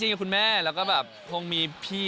จริงคุณแม่และก็มีพี่